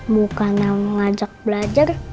mukanya mengajak belajar